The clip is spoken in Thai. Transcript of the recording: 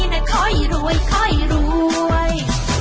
นะคร้อยรวยเข้ารวย